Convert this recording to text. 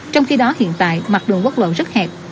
trong khi đó hiện tại mặt đường quốc lộ rất hẹp